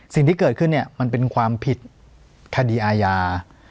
สิ่งที่เกิดขึ้นเนี่ยมันเป็นความผิดคดีอาญา